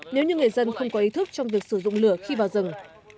nếu như người dân không có ý thức trong việc sử dụng lửa khi vào rừng